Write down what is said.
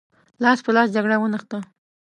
لاس په لاس جګړه ونښته.